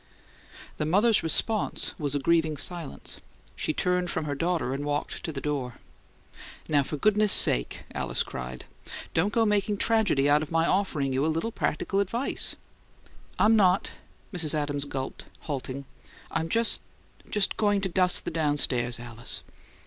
The mother's response was a grieving silence; she turned from her daughter and walked to the door. "Now, for goodness' sake!" Alice cried. "Don't go making tragedy out of my offering you a little practical advice!" "I'm not," Mrs. Adams gulped, halting. "I'm just just going to dust the downstairs, Alice."